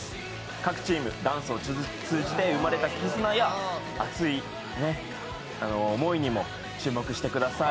各チーム、ダンスを通じて生まれた絆や熱い思いにも注目してください。